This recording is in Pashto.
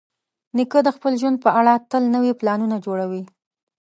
نیکه د خپل ژوند په اړه تل نوي پلانونه جوړوي.